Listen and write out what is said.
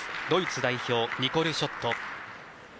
ドイツ代表、ニコル・ショット。